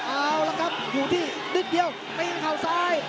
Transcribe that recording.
เอาแล้วครับหูที่นิดเดียวตีเขาซ้าย